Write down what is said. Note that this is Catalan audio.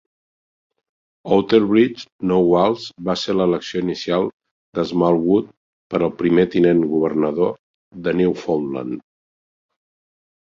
Outerbridge, no Walsh, va ser l'elecció inicial de Smallwood per al primer tinent-governador de Newfoundland.